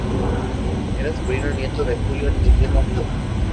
Era sobrino nieto de Julio Argentino Roca.